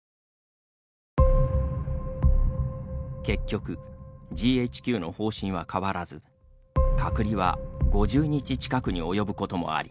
結局、ＧＨＱの方針は変わらず隔離は５０日近くに及ぶこともあり